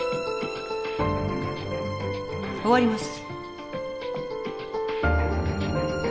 終わります。